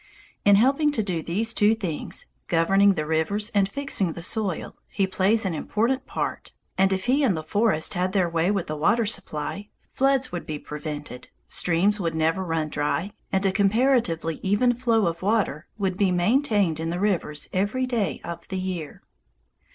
In helping to do these two things, governing the rivers and fixing the soil, he plays an important part, and if he and the forest had their way with the water supply, floods would be prevented, streams would never run dry, and a comparatively even flow of water would be maintained in the rivers every day of the year.